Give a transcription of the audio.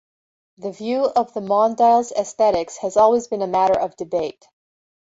The view of the Mondial's aesthetics has always been a matter of debate.